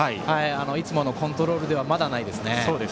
いつものコントロールではまだないですね。